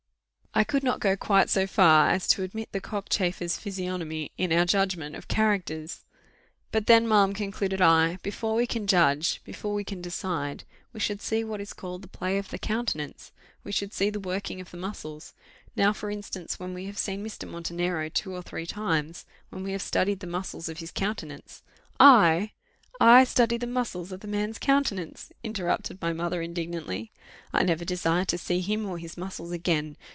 I could not go quite so far as to admit the cockchafer's physiognomy in our judgment of characters. "But then, ma'am," concluded I, "before we can judge, before we can decide, we should see what is called the play of the countenance we should see the working of the muscles. Now, for instance, when we have seen Mr. Montenero two or three times, when we have studied the muscles of his countenance " "I! I study the muscles of the man's countenance!" interrupted my mother, indignantly; "I never desire to see him or his muscles again!